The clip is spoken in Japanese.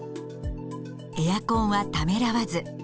エアコンはためらわず。